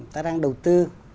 ta đang đầu tư